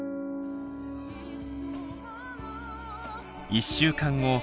１週間後。